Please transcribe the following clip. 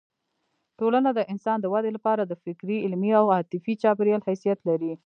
ټولنه د انسان د ودې لپاره د فکري، علمي او عاطفي چاپېریال حیثیت لري.